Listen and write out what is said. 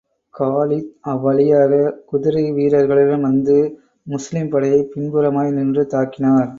Khalid அவ்வழியாக, குதிரை வீரர்களுடன் வந்து, முஸ்லிம் படையைப் பின்புறமாய் நின்று தாக்கினார்.